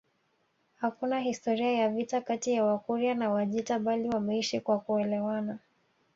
Hakuna historia ya vita kati ya Wakurya na Wajita bali wameishi kwa kuelewana